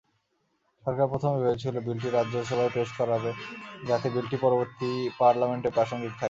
সরকার প্রথমে ভেবেছিল, বিলটি রাজ্যসভায় পেশ করাবে, যাতে বিলটি পরবর্তী পার্লামেন্টেও প্রাসঙ্গিক থাকে।